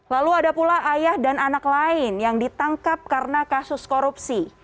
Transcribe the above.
lalu ada pula ayah dan anak lain yang ditangkap karena kasus korupsi